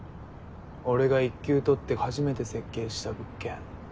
俺が一級取って初めて設計した物件。